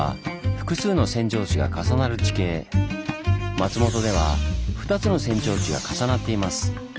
松本では２つの扇状地が重なっています。